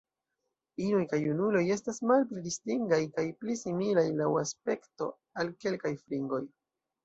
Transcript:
Inoj kaj junuloj estas malpli distingaj, kaj pli similaj laŭ aspekto al kelkaj fringoj.